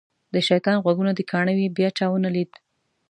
د شیطان غوږونه دې کاڼه وي بیا چا ونه لید.